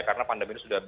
karena pandemi ini sudah